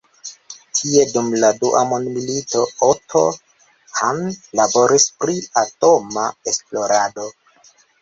Tie dum la dua mondmilito, Otto Hahn laboris pri atoma esplorado.